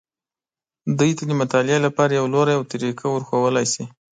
دوی ته د مطالعې لپاره یو لوری او طریقه ورښودلی شي.